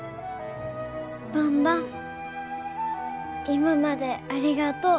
今までありがとう。